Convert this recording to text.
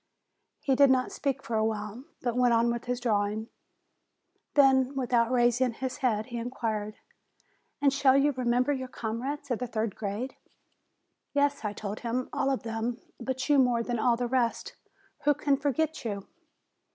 He did not speak for a while, but went on with his drawing. Then, without raising his head, he in quired : "And shall you remember your comrades of the third grade?" "Yes," I told him, "all of them; but you more than all the rest. Who can forget you?"